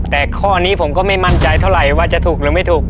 แต่ข้อนี้ผมก็ไม่มั่นใจเท่าไหร่ว่าจะถูกหรือไม่ถูก